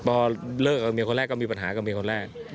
พอเลิกกับเมียคนแรกก็มีปัญหากับเมียคนแรก